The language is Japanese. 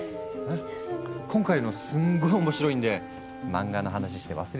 今回のすんごい面白いんで漫画の話して忘れましょね。